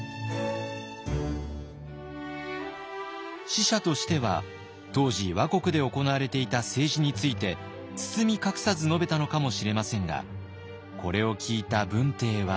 使者としては当時倭国で行われていた政治について包み隠さず述べたのかもしれませんがこれを聞いた文帝は。